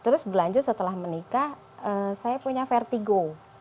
terus berlanjut setelah menikah saya punya vertigo